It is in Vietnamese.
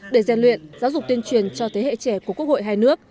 để gian luyện giáo dục tuyên truyền cho thế hệ trẻ của quốc hội hai nước